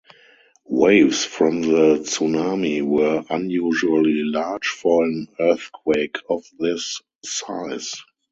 Waves from the tsunami were unusually large for an earthquake of this size.